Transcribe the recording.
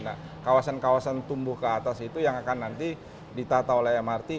nah kawasan kawasan tumbuh ke atas itu yang akan nanti ditata oleh mrt